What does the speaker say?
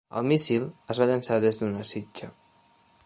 El míssil es va llançar des d'una sitja.